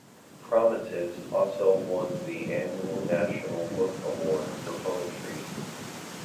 "Promises" also won the annual National Book Award for Poetry.